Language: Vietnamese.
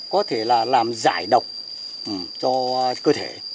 có thể là làm giải độc cho cơ thể